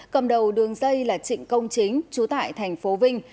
cầm đầu đường dây là trịnh công chính chú tại thành phố vinh